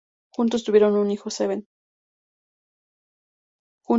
Juntos, tuvieron un hijo, Seven.